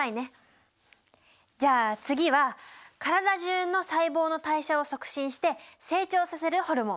じゃあ次は体中の細胞の代謝を促進して成長させるホルモン。